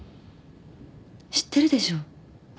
知ってるでしょう？